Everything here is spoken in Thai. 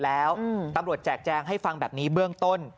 แล้วตำรวจแจกแจงให้ฟังแบบนี้เบื้องต้น